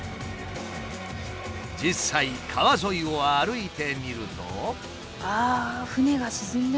実際川沿いを歩いてみると。